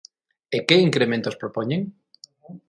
¿E que incrementos propoñen?